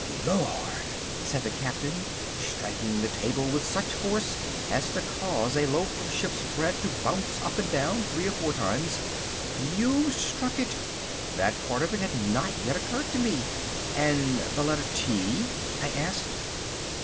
"Blowhard," said the Captain, striking the table with such force as to cause a loaf of ship's bread to bounce up and down three or four times, "you've struck it. That part of it had not yet occurred to me." "And the letter T?" I asked.